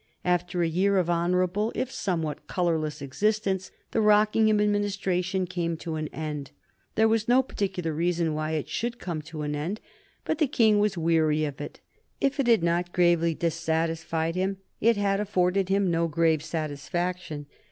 After a year of honorable if somewhat colorless existence, the Rockingham Administration came to an end. There was no particular reason why it should come to an end, but the King was weary of it. If it had not gravely dissatisfied him, it had afforded him no grave satisfaction.